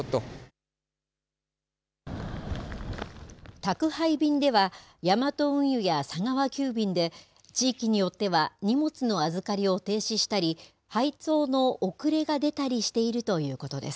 宅配便では、ヤマト運輸や佐川急便で、地域によっては荷物の預かりを停止したり、配送の遅れが出たりしているということです。